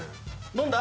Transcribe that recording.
飲んだ？